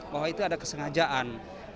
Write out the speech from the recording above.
bahwa itu ada kesengajaan